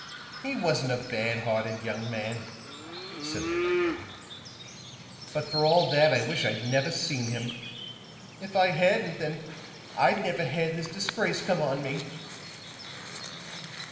"He wasn't a bad hearted young man," said the landlady, "but for all that I wish I'd never seen him. If I hadn't then I'd never had this disgrace come on me."